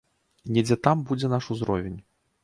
Недзе там будзе наш узровень.